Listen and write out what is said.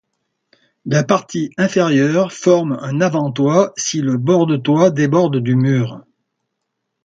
La partie inférieure forme un avant-toit si le bord de toit déborde du mur.